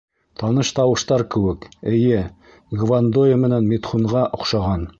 Таныш тауыштар кеүек, эйе, Гвандоя менән Митхунға оҡшаған.